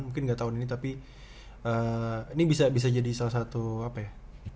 mungkin nggak tahun ini tapi ini bisa jadi salah satu apa ya